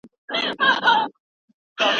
تاسو باید د مقالي لپاره یو مشخص هدف ولرئ.